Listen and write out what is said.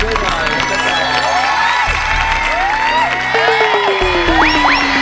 ช่วยหน่อย